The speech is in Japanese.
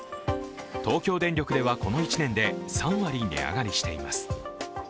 東京電力ではこの１年で３割値上がりしています。